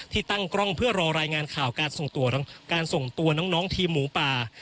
ตั้งกล้องเพื่อรอรายงานข่าวการส่งตัวน้องทีมหมูป่า